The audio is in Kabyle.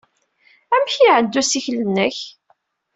Amek ay iɛedda ussikel-nnek?